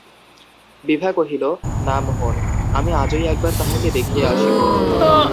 বিভা কহিল, না মোহন, আমি আজই একবার তাঁহাকে দেখিয়া আসিব।